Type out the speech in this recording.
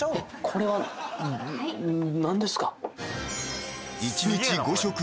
これはなんですか？